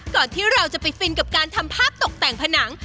ก่อนที่เราจะไปฟินกับการทำภาพตกแต่งผนัง